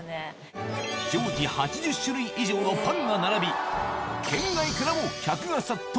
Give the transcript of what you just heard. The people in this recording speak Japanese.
常時８０種類以上のパンが並び、県外からも客が殺到。